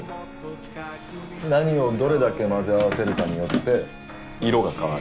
何をどれだけ混ぜ合わせるかによって色が変わる。